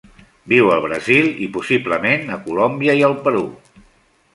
Viu al Brasil i, possiblement, a Colòmbia i el Perú.